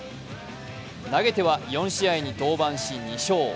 投げては４試合に登板し２勝。